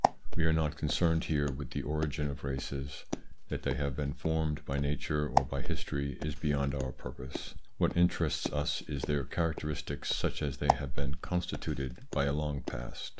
We are not concerned here with the origin of races. That they have been formed by nature or by history is beyond our purpose. What interests us is their characteristics such as they have been constituted by a long past.